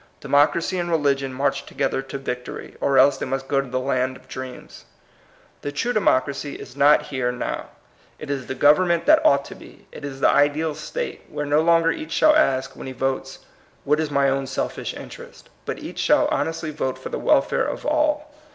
Democracy and reli gion march together to victory, or else they must go to the land of dreams. The true democracy is not here now. THE WEAL DEMOCRACY. 138 It is the government that ought to be. It is the ideal state, where no longer each shall ask, when he votes, What is my own selfish interest? but each shall hon estly vote for the welfare of all.